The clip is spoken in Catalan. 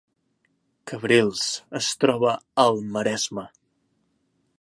Cabrils es troba al Maresme